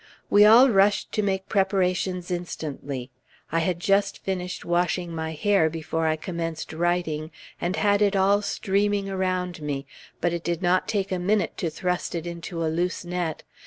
We all rushed to make preparations instantly. I had just finished washing my hair, before I commenced writing, and had it all streaming around me; but it did not take a minute to thrust it into a loose net.